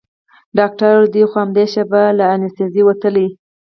ډاکتر وويل دى خو همدا شېبه له انستيزي وتلى.